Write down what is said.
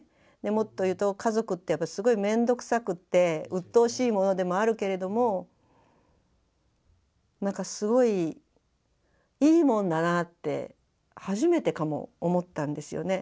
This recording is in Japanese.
もっと言うと家族ってやっぱすごい面倒くさくて鬱陶しいものでもあるけれども何かすごいいいもんだなって初めてかも思ったんですよね。